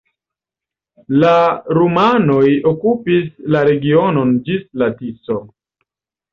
La rumanoj okupis la regionon ĝis la Tiso.